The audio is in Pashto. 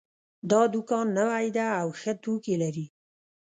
دا دوکان نوی ده او ښه توکي لري